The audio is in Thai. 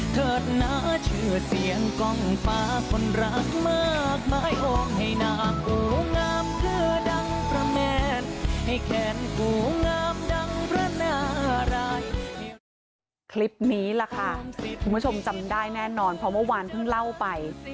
นี่แหละค่ะคุณผู้ชมจำได้แน่นอนเพราะเมื่อวานเพิ่งเล่าไป